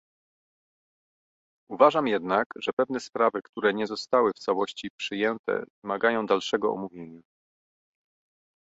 Uważam jednak, że pewne sprawy, które nie zostały w całości przyjęte, wymagają dalszego omówienia